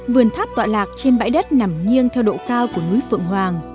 vườn tháp tọa lạc trên bãi đất nằm nghiêng theo độ cao của núi phượng hoàng